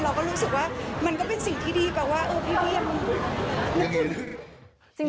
เราก็รู้สึกว่ามันก็เป็นสิ่งที่ดีแปลว่าเออพี่เขายัง